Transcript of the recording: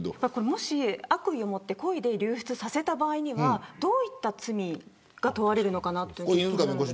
もし悪意を持って故意に流出させた場合にはどういった罪が問われるのかなと。